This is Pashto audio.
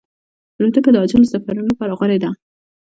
الوتکه د عاجلو سفرونو لپاره غوره ده.